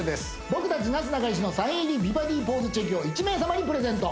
僕たちなすなかにしのサイン入り美バディポーズチェキを１名様にプレゼント